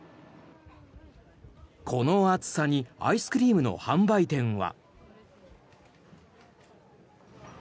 この暑さにアイスクリームの販売店は。